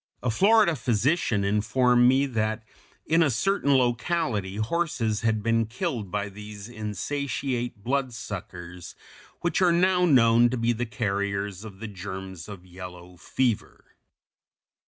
A Florida physician informed me that in a certain locality horses had been killed by these insatiate bloodsuckers, which are now known to be the carriers of the germs of yellow fever.